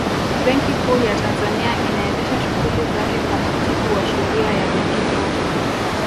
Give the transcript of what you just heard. Benki Kuu ya Tanzania inaendesha shughuli zake kwa mujibu wa Sheria ya Benki Kuu